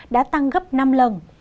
đã tăng gấp năm lần